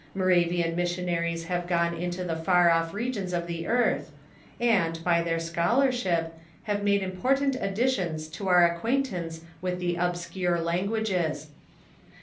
Moravian missionaries have gone into the far off regions of the earth, and, by their scholarship, have made important additions to our acquaintance wnth the obscure languages.